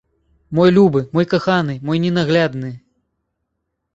Мой любы, мой каханы, мой ненаглядны!